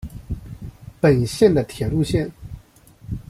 本线的铁路线。